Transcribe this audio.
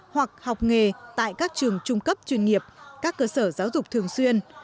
hoặc học nghề tại các trường trung cấp chuyên nghiệp các cơ sở giáo dục thường xuyên